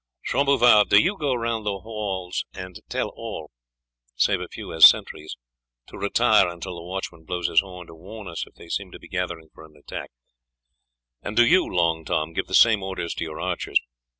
Jean Bouvard, do you go round the walls and tell all, save a few as sentries, to retire until the watchman blows his horn to warn us if they seem to be gathering for an attack; and do you, Long Tom, give the same orders to your archers.